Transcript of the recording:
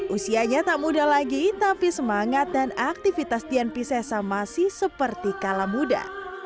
usianya tak muda lagi tapi semangat dan aktivitas dian pisesa masih seperti kala muda